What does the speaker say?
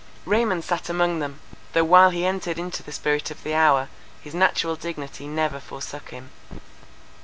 Raymond sat among them, though while he entered into the spirit of the hour, his natural dignity never forsook him.